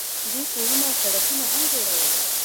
دوی کورونه او سړکونه هم جوړول.